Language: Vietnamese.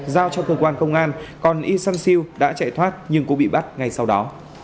giao cho cơ quan công an còn yizhan siu đã chạy thoát nhưng cũng bị bắt ngay sau đó